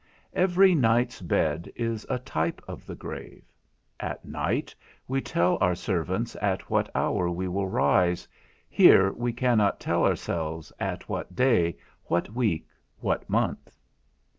Every night's bed is a type of the grave; at night we tell our servants at what hour we will rise, here we cannot tell ourselves at what day, what week, what month.